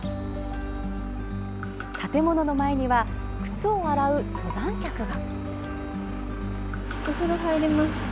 建物の前には、靴を洗う登山客が。